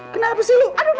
kenapa sih lu